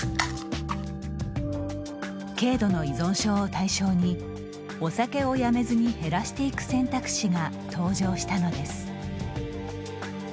軽度の依存症を対象にお酒をやめずに減らしていく選択肢が登場したのです。